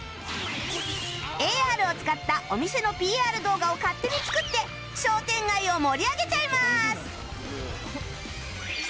ＡＲ を使ったお店の ＰＲ 動画を勝手に作って商店街を盛り上げちゃいます